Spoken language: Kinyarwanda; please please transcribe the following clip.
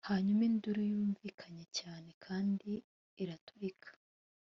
hanyuma induru yumvikanye cyane kandi iraturika